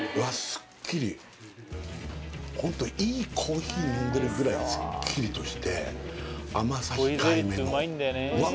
すっきりホントいいコーヒー飲んでるぐらいすっきりとして甘さひかえめのうわ